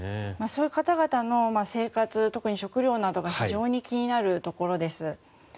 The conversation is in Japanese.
そういう方々の生活、特に食料などが非常に気になるところです。